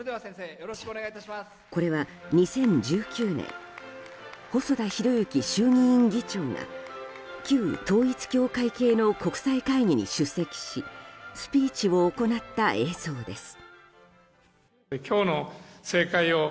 これは、２０１９年細田博之衆議院議長が旧統一教会系の国際会議に出席しスピーチを行った映像です。